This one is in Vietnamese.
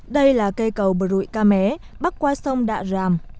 đây là cây cầu bờ rụi ca mé bắc qua sông đạ ràm